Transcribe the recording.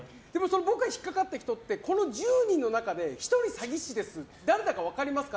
僕が引っ掛かった人ってこの１０人の中で１人詐欺師です誰だか分かりますか？